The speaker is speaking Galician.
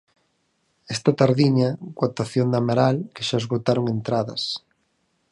Esta tardiña coa actuación de Amaral que xa esgotaron entradas.